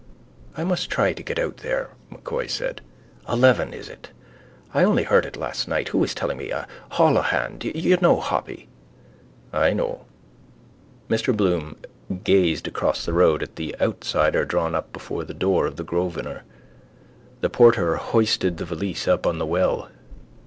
—I must try to get out there, M'Coy said. Eleven, is it? I only heard it last night. Who was telling me? Holohan. You know Hoppy? —I know. Mr Bloom gazed across the road at the outsider drawn up before the door of the Grosvenor. The porter hoisted the valise up on the well.